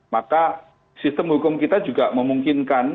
maka sistem hukum kita juga memungkinkan